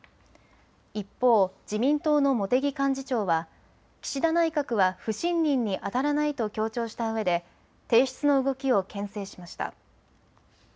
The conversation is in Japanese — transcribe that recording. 一方、自民党の茂木幹事長は岸田内閣は不信任にあたらないと強調したうえで提出の動きをけん制しました。